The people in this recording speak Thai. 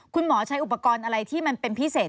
คุณหมอใช้อุปกรณ์อะไรที่มันเป็นพิเศษ